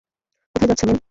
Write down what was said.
কোথায় যাচ্ছো, মেল?